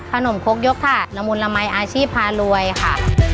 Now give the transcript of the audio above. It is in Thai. ขนมครกยกถาดละมุนละมัยอาชีพพารวยค่ะ